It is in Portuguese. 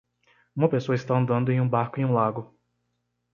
Uma pessoa está andando em um barco em um lago.